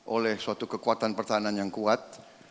oleh suatu kekuatan pertahanan yang kuat